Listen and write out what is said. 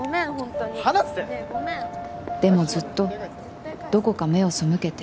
でもずっとどこか目を背けて。